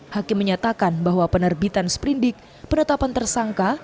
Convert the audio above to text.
hakim menyatakan bahwa penerbitan sprindik penetapan tersangka